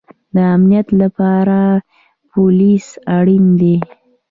د امنیت لپاره پولیس اړین دی